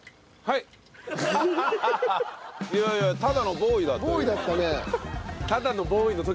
いやいやただのボーイだったよ。